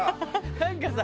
なんかさ